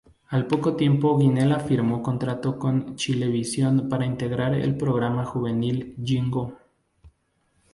Al poco tiempo Gianella firmó contrato con Chilevisión para integrar el programa juvenil Yingo.